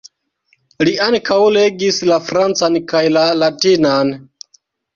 Li ankaŭ legis la francan kaj la latinan.